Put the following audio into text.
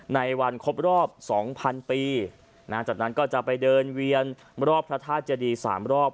ในวันครบรอบสองพันปีจากนั้นก็จะไปเดินเวียนรอบพระธาตุเจดี๓รอบ